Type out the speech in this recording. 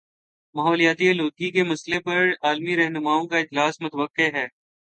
ماحولیاتی آلودگی کے مسئلے پر عالمی رہنماؤں کا اجلاس متوقع ہے